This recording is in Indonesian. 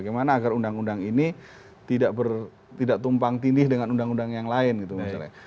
bagaimana agar undang undang ini tidak tumpang tindih dengan undang undang yang lain gitu misalnya